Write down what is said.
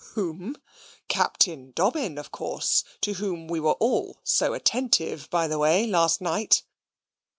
O whom? Captain Dobbin, of course, to whom we were all so attentive, by the way, last night."